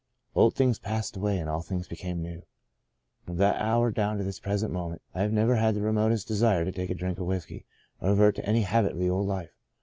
Old things passed away, and all things became new. From that hour down to this present moment, I have never had the remotest desire to take a drink of whiskey, or revert to any habit of the old life.